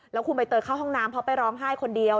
แล้วคุณใบเตยเข้าห้องน้ำเพราะไปร้องไห้คนเดียว